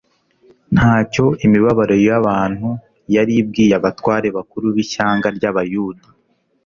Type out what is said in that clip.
Ntacyo imibabaro y'abantu yari ibwiye abatware bakuru b'ishyanga ry' abayuda,